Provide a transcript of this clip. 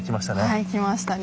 はい来ましたね。